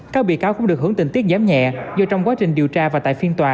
các bị cáo cũng được hưởng tình tiết giảm nhẹ do trong quá trình điều tra và tại phiên tòa